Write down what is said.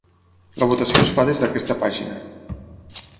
La votació es fa des d’aquesta pàgina.